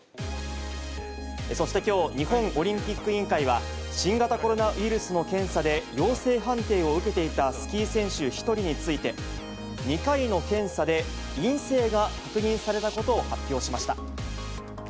そしてきょう、日本オリンピック委員会は、新型コロナウイルスの検査で陽性判定を受けていたスキー選手１人について、２回の検査で陰性が確認されたことを発表しました。